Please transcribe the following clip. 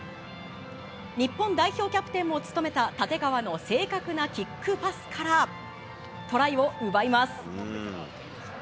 日本代表キャプテンも務めた立川の正確なキックパスからトライを奪います。